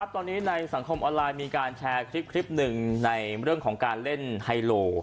ตอนนี้ในสังคมออนไลน์มีการแชร์คลิปหนึ่งในเรื่องของการเล่นไฮโล